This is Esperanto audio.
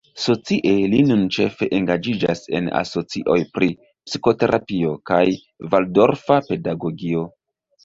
Socie, li nun ĉefe engaĝiĝas en asocioj pri psikoterapio kaj valdorfa pedagogio.